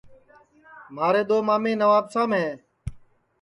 مھارے دؔو مامیں نوابشام ہے